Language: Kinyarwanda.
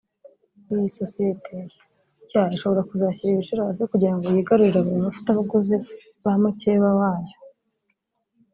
Iyi sosiyete nshya ishobora kuzashyira ibiciro hasi kugira ngo yigarurire aba bafatabuguzi ba mukeba wayo